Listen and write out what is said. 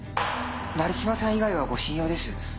成島さん以外は護身用です。